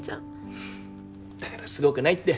ふふっだからすごくないって。